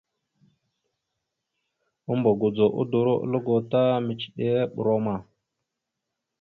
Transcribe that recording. Ambogodzo udoróalgo ta micədere brom a.